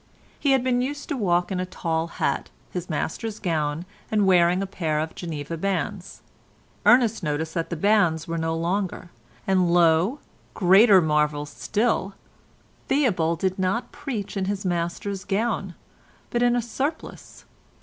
He had been used to walk in a tall hat, his Master's gown, and wearing a pair of Geneva bands. Ernest noticed that the bands were worn no longer, and lo! greater marvel still, Theobald did not preach in his Master's gown, but in a surplice.